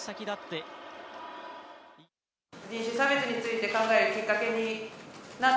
人種差別について考えるきっ